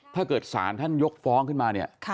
ถ้าเกิดศาลท่านยกฟ้องขึ้นมาเนี่ย